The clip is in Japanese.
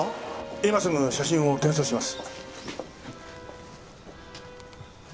今すぐ写真を転送します。